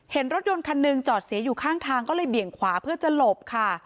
เห็นรถยนต์คันหนึ่งจอดเสียอยู่ข้างทางก็เลยเบี่ยงขวาเพื่อจะหลบค่ะ